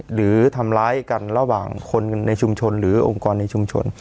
หรือทำร้ายกันระหว่างคนในชุมชนหรือองค์กรในชุมชน